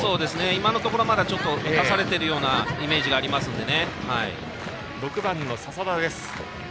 今のところまだ打たされているようなイメージがありますので。